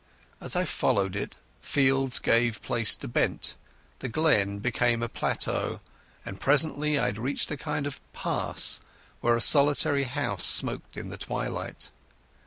As I followed it, fields gave place to bent, the glen became a plateau, and presently I had reached a kind of pass where a solitary house smoked in the twilight.